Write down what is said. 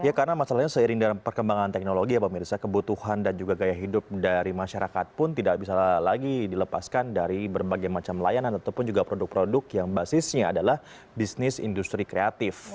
ya karena masalahnya seiring dengan perkembangan teknologi ya pemirsa kebutuhan dan juga gaya hidup dari masyarakat pun tidak bisa lagi dilepaskan dari berbagai macam layanan ataupun juga produk produk yang basisnya adalah bisnis industri kreatif